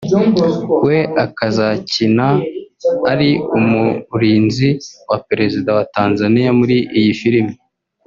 we akazakina ari umurinzi wa Perezida wa Tanzania muri iyi filimi